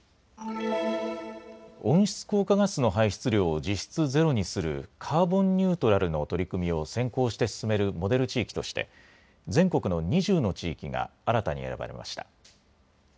温室効果ガスの排出量を実質ゼロにするカーボンニュートラルの取り組みを先行して進めるモデル地域として全国の２０の地域が新たに選ばれました。